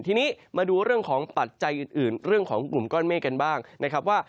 ทีนี้มาดูเรื่องของปัจจัยอื่นเรื่องของกลุ่มก้อนเมฆกันบ้างนะครับว่า